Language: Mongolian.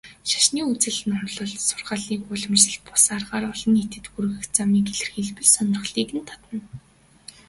Шашны үзэл номлол, сургаалыг уламжлалт бус аргаар олон нийтэд хүргэх замыг эрэлхийлбэл сонирхлыг татна.